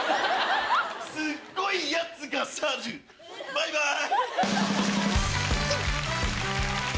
すっごいやつが去るバイバイ！